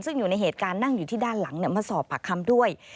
ซึ่งอยู่ในเหตุการณ์นั่งอยู่ที่ด้านหลังมาสอบปากคำด้วย